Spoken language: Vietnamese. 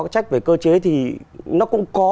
trách về cơ chế thì nó cũng có